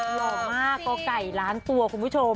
หล่อมากก่อไก่ล้านตัวคุณผู้ชม